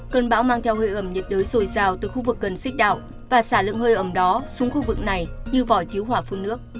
cơn bão mang theo hơi ẩm nhiệt đới dồi dào từ khu vực cần xích đạo và xả lượng hơi ẩm đó xuống khu vực này như vòi cứu hỏa phun nước